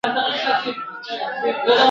ښځي وویل ژر وزه دم تر دمه !.